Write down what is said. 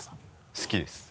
好きです。